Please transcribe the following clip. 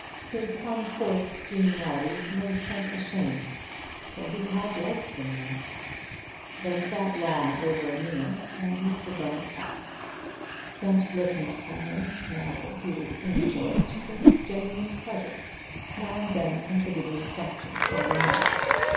His unforced geniality made Trent ashamed, for he had liked the man. They sat long over a meal, and Mr. Bunner talked. Trent listened to him, now that he was in for it, with genuine pleasure, now and then contributing a question or remark.